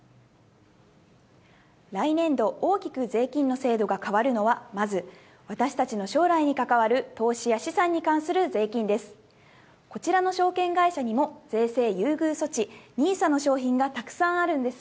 来年度、大きく税金の制度が変わるのは、まず、私たちの将来に関わる投資や資産に関する税金です。